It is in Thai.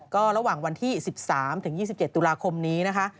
ก็ระหว่างวันที่๑๓๒๗ตุลาคมนี้นะคะ